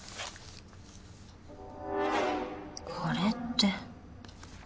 これって。